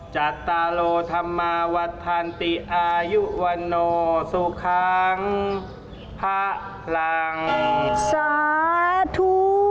จัตตาโลธัมมาวัทธันติอายุวโวโนสุขังพระรังสาธุ